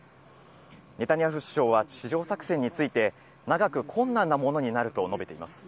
ネタニヤフ首相は、地上作戦について、長く困難なものになると述べています。